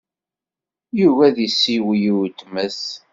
Yugi ad isiwel i weltma-s.